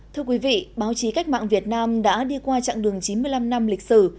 thưa quý vị báo chí cách mạng việt nam đã đi qua chặng đường chín mươi năm năm lịch sử